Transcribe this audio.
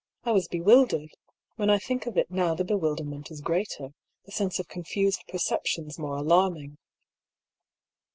I was bewildered. When I think of it now the bewilderment is greater, the sense of confused perceptions more alarming.